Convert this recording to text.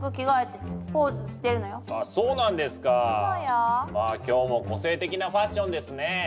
わあ今日も個性的なファッションですね。